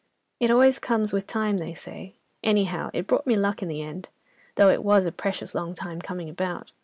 It always comes with time, they say. Anyhow it brought me luck in the end, though it was a precious long time coming about."